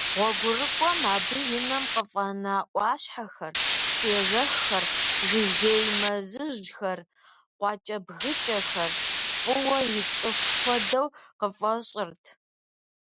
Гъуэгурыкӏуэм абы и нэм къыфӏэнэ ӏуащхьэхэр, псыежэххэр, жыгей мэзыжьхэр, къуакӏэбгыкӏэхэр фӏыуэ ицӏыху хуэдэу къыфӏэщӏырт.